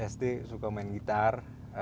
sd suka main gitar